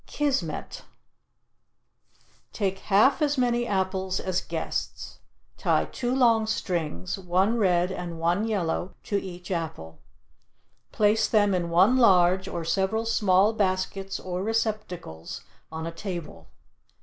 KISMET Take half as many apples as guests, tie two long strings, one red and one yellow, to each apple. Place them in one large or several small baskets or receptacles on a table.